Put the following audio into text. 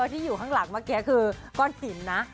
ที่อยู่ข้างหลังเมื่อกี้คือก้อนหินนะ